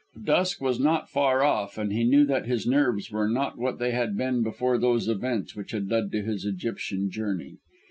Dusk was not far off, and he knew that his nerves were not what they had been before those events which had led to his Egyptian journey.